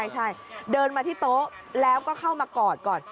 ใช่เดินมาที่โต๊ะแล้วก็เข้ามากอดก่อน